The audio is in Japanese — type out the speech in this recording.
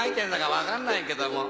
分かんないけども。